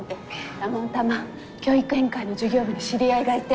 たまたま教育委員会の事業部に知り合いがいて。